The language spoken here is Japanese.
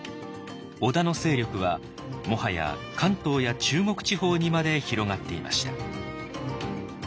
織田の勢力はもはや関東や中国地方にまで広がっていました。